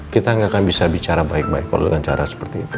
kita nggak akan bisa bicara baik baik kalau dengan cara seperti itu